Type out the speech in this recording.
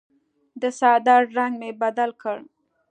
د څادر رنګ مې بدل کړ.